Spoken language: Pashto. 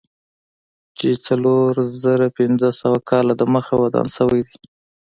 چې څلور زره پنځه سوه کاله دمخه ودان شوی دی.